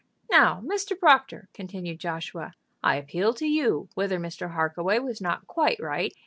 "Now, Mr. Proctor," continued Joshua, "I appeal to you whether Mr. Harkaway was not quite right?